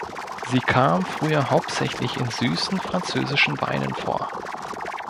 Sie kam früher hauptsächlich in süßen französischen Weinen vor.